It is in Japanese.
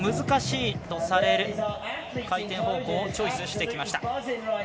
難しいとされる回転方向をチョイスしてきました。